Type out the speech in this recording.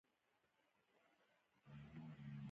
سندره د شهید د وینې نغمه ده